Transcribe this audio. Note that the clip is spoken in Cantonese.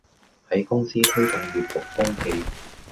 喺公司推動閱讀風氣